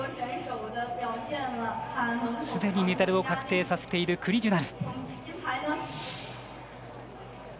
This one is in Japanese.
すでにメダルを確定させている、クリジュナル。